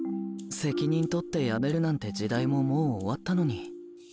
責任とって辞めるなんて時代ももう終わったのに。